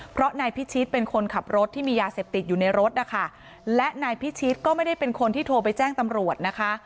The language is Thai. เพราะนายพิชิตเป็นคนขับรถที่มียาเสพติดอยู่ในรถนะคะและนายพิชิตก็ไม่ได้เป็นคนที่โทรไปแจ้งตำรวจนะคะ